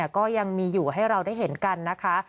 ก็ยังมีอยู่ให้เราได้เห็นกันนะคะ